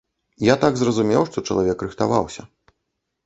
Я так зразумеў, што чалавек рыхтаваўся.